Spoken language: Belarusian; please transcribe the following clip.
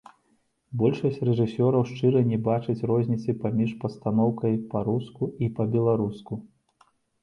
Большасць рэжысёраў шчыра не бачыць розніцы паміж пастаноўкай па-руску і па-беларуску!